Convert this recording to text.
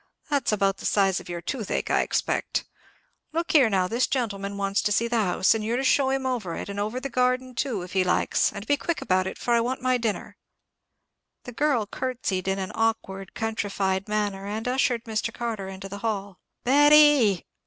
That's about the size of your toothache, I expect! Look here now, this gentleman wants to see the house, and you're to show him over it, and over the garden too, if he likes—and be quick about it, for I want my dinner." The girl curtseyed in an awkward countrified manner, and ushered Mr. Carter into the hall. "Betty!"